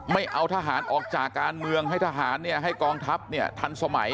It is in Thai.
ไม่เอาทหารออกจากการเมืองให้ทหารให้กองทัพทันสมัย